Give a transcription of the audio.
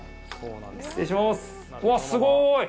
うわっ、すごい！